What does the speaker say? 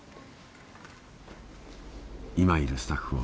今いるスタッフを。